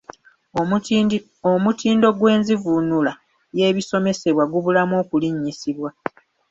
Omutindo gw’enzivuunula y’ebisomesebwa gubulamu okulinnyisibwa.